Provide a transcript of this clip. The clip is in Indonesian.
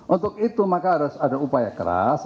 untuk itu maka harus ada upaya keras